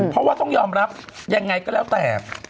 เพราะว่าต้องยอมรับยังไงก็แล้วแต่